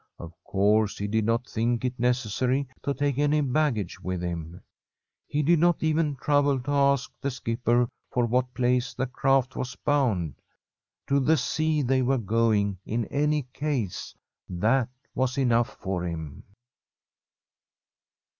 Of course he did not think it necessary to take any baggage with him. He did not even trouble to ask the skipper for what place the craft was bound. To the sea they were going, in any case — ^that was enough for him.